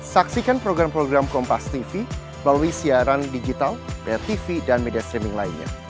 saksikan program program kompastv melalui siaran digital btv dan media streaming lainnya